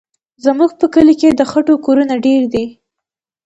زموږ په کلي کې د خټو کورونه ډېر دي.